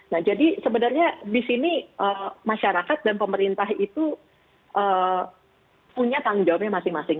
nah jadi sebenarnya di sini masyarakat dan pemerintah itu punya tanggung jawabnya masing masing